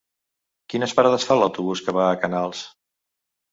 Quines parades fa l'autobús que va a Canals?